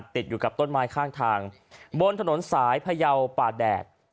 ติดอยู่กับต้นไม้ข้างทางบนถนนสายพยาวป่าแดด